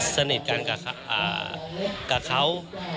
สนิทกันกับเขา